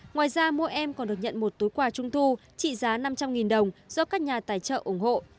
ngoài ra mỗi em còn được nhận một túi quà trung thu trị giá năm trăm linh đồng do các nhà tài trợ ủng hộ